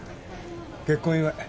結婚祝い